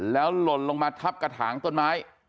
แล้วหล่นลงมาทับกระถางต้นไม้